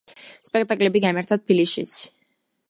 სპექტაკლები გამართა თბილისშიც.